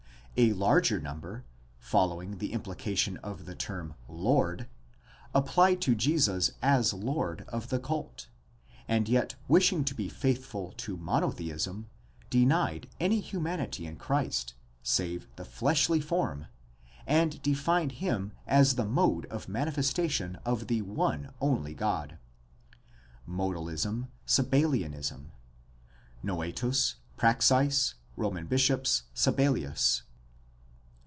A larger number, following the implication of the term Lord applied to Jesus as Lord of the cult, and yet wishing to be faithful to monotheism, denied any humanity in Christ save the fleshly form and defined him as a mode of manifestation of the one only God (Modalism, Sabellianism : Noetus, Praxeas, Roman bishops, Sabellius).